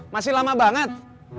masih lama banget